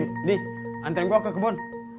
im di antren gua ke kebon